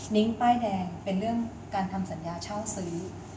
นิ้งป้ายแดงเป็นเรื่องการทำสัญญาเช่าซื้อ